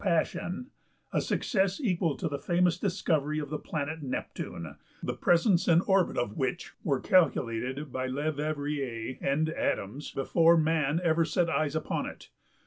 ~Paschen(37) a success equal to the famous discovery of the planet Neptune, the presence and orbit of which were calculated by Leverrier [and Adams] before man ever set eyes upon it.